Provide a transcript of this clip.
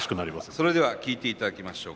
さあそれでは聴いていただきましょうか。